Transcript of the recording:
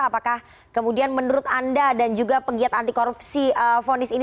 apakah kemudian menurut anda dan juga penggiat anti korupsi ini